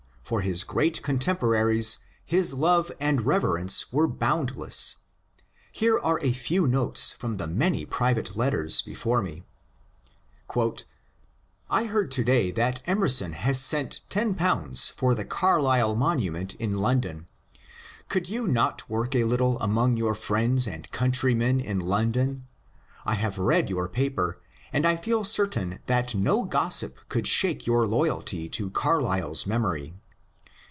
For his great contemporaries his love and reverence were boundless. Here are a few notes from the many private letters before me :— I heard to day that Emerson has sent £10 for the Carlyle monument in Ix>ndon. Could you not work a little among your friends and countrymen in London ? I have read your paper, and I feel certain that no gossip could shake your loy alty to Carlyle's memory.